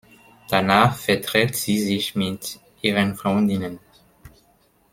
Danach verträgt sie sich mit ihren Freundinnen.